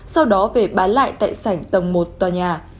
sau đó về bán lại tại sảnh tầng một tòa nhà